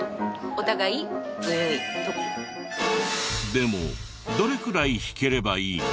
でもどれくらい弾ければいいの？